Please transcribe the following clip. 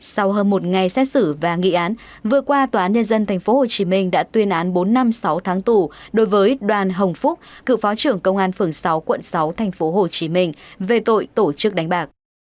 sau hơn một ngày xét xử và nghị án vừa qua tòa án nhân dân tp hcm đã tuyên án bốn năm sáu tháng tù đối với đoàn hồng phúc cựu phó trưởng công an phường sáu quận sáu tp hcm về tội tổ chức đánh bạc